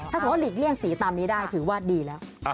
ถ้าสมมุติหลีกเลี่ยงสีตามนี้ได้ถือว่าดีแล้ว